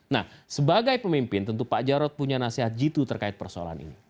nah sebagai pemimpin tentu pak jarod punya nasihat jitu terkait persoalan ini